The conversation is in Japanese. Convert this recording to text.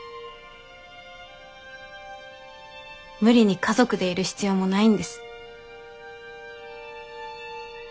無理に家族でいる必要もないんです。